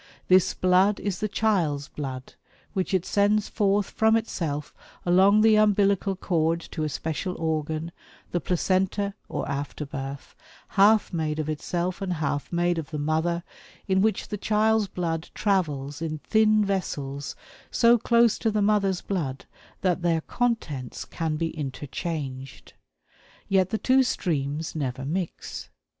This blood is the child's blood, which it sends forth from itself along the umbillical cord to a special organ, the placenta or afterbirth, half made by itself and half made by the mother, in which the child's blood travels in thin vessels so close to the mother's blood that their contents can be interchanged. Yet the two streams never mix.